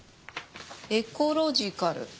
『エコロジカル』？